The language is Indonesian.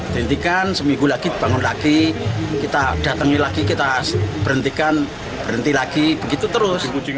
dihentikan seminggu lagi bangun lagi kita datangi lagi kita berhentikan berhenti lagi begitu terus